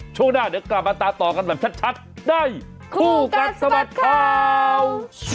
ช่วงหน้าเดี๋ยวกลับมาตามต่อกันแบบชัดในคู่กัดสะบัดข่าว